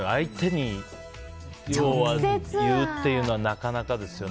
要は、相手に言うっていうのはなかなかですよね。